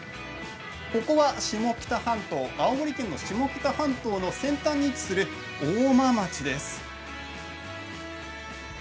ここは青森県の下北半島の先端に位置する大間町です。